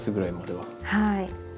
はい。